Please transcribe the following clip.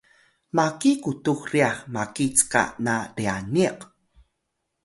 maki qutux ryax maki cka na ryaniq